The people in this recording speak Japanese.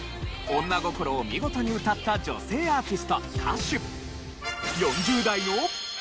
女心を見事に歌った女性アーティスト・歌手。